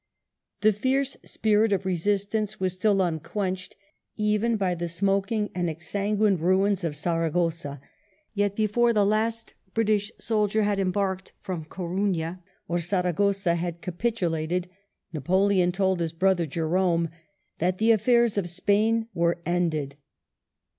The fierce spirit of resistance was still imquenched, even by the smoking and ensanguined ruins of Saragossa; yet before the last British soldier had embarked from Coruna, or Saragossa had capitulated. Napoleon told his brother Jerome that the aflfairs of Spain were ended.